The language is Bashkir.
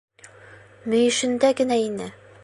Мөйөшөндә генә ине!